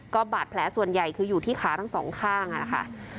ก็บาดแผลส่วนใหญ่คืออยู่ที่ขาทั้งสองข้างนะคะ